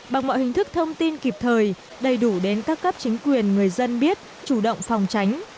bằng mọi hình thức thông tin kịp thời đầy đủ đến các cấp chính quyền người dân biết chủ động phòng tránh